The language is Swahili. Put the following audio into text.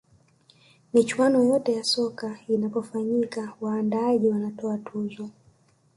michuano yote ya soka inapofanyika waandaaji wanatoa tuzo